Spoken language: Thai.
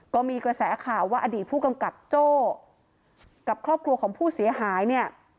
ก็มีกระแสข่าวว่าอดีตผู้กำกับโจ้กับครอบครัวของผู้เสียหายเนี่ย